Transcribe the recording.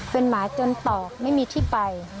เป็นหมาจนตอกไม่มีที่ไป